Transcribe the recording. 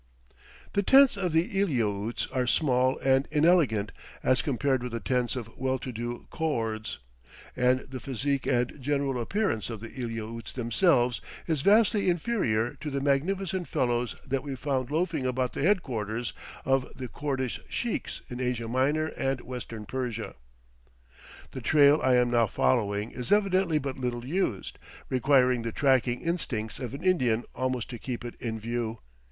The tents of the Eliautes are small and inelegant as compared with the tents of well to do Koords, and the physique and general appearance of the Eliautes themselves is vastly inferior to the magnificent fellows that we found loafing about the headquarters of the Koordish sheikhs in Asia Minor and Western Persia. The trail I am now following is evidently but little used, requiring the tracking instincts of an Indian almost to keep it in view.